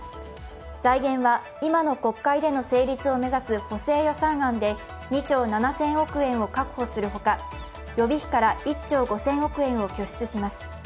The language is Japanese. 財源は今の国会での成立を目指す補正予算案で２兆７０００億円を確保するほか、予備費から１兆５０００億円を補填します。